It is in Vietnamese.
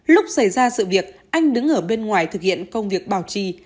lúc xảy ra sự việc anh đứng ở bên ngoài thực hiện công việc bảo trì